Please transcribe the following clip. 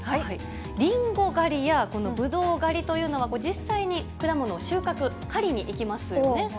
リンゴ狩りやこのブドウ狩りというのは、実際に果物を収穫、狩りに行きますよね。